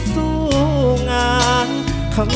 สวัสดีครับ